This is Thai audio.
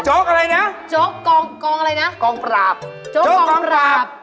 โจ๊กอะไรนะโจ๊กกองอะไรนะโจ๊กกองปราบโจ๊กกองปราบโจ๊กกองปราบ